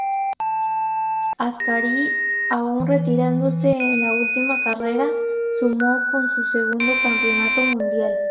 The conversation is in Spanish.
Ascari, aún retirándose en la última carrera, sumó con su segundo campeonato mundial.